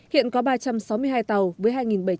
hiện có ba trăm sáu mươi hai tàu với hai bảy trăm linh